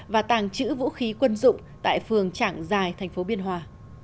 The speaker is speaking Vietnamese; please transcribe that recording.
và tàng trữ vũ khí quân dụng tại phường trạng giài tp biên hòa